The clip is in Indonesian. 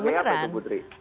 disebut sebagai apa sih putri